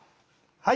はい。